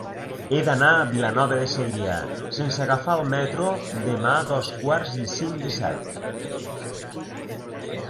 He d'anar a Vilanova de Segrià sense agafar el metro demà a dos quarts i cinc de set.